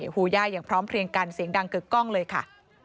หูย่าอย่างพร้อมเพลียงกันเสียงดังกึกกล้องเลยค่ะ